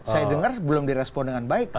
saya dengar belum direspon dengan baik pak